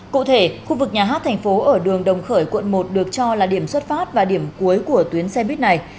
cụ thể khu vực nhà hát thành phố ở đường đồng khởi quận một được cho là điểm xuất phát và điểm cuối của tuyến xe buýt này